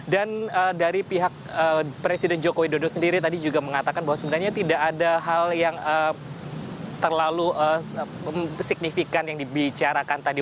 dari pihak presiden joko widodo sendiri tadi juga mengatakan bahwa sebenarnya tidak ada hal yang terlalu signifikan yang dibicarakan tadi